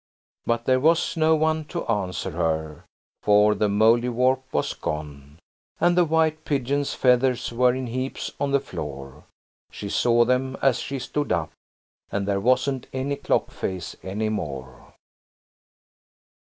But there was no one to answer her, for the Mouldiwarp was gone. And the white pigeons' feathers were in heaps on the floor. She saw them as she stood up. And there wasn't any clock face any more.